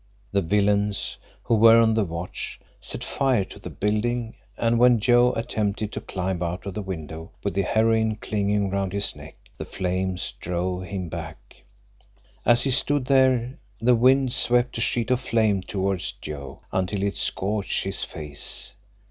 The villains, who were on the watch, set fire to the building, and when Joe attempted to climb out of the window with the heroine clinging round his neck, the flames drove him back. As he stood there the wind swept a sheet of flame towards Joe until it scorched his face.